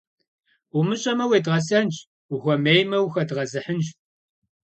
Умыщӏэмэ – уедгъэсэнщ, ухуэмеймэ - ухэдгъэзыхьынщ.